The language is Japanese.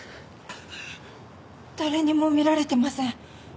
誰にも見られてません。